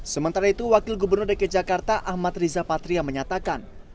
sementara itu wakil gubernur dki jakarta ahmad riza patria menyatakan